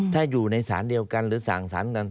ถ้าอยู่ในสารเดียวกันหรือสั่งสารกัน